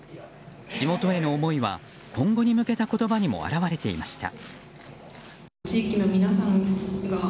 地元への思いは今後に向けた言葉にも表れていました。